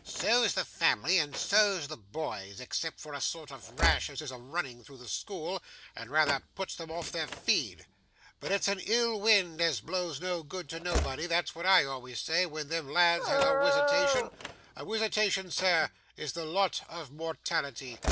So's the family, and so's the boys, except for a sort of rash as is a running through the school, and rather puts 'em off their feed. But it's a ill wind as blows no good to nobody; that's what I always say when them lads has a wisitation. A wisitation, sir, is the lot of mortality.